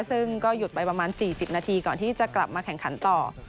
ซึ่งก็หยุดไปประมาณ๔๐นาทีก่อนที่จะกลับมาแข่งขันต่อ